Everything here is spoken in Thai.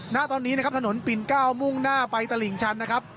ณตอนนี้นะครับถนนปิ่นเก้ามุ่งหน้าไปตลิ่งชันนะครับ